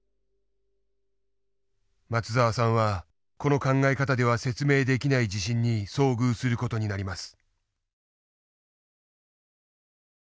松澤さんはこの考え方では説明できない地震に遭遇する事になります。